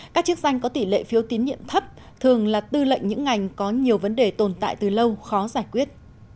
các chức danh có tỷ lệ phiếu tín nhiệm thấp thường là tư lệnh những ngành có nhiều vấn đề tồn tại từ lâu khó giải quyết